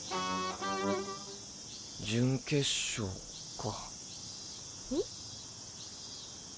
準決勝か。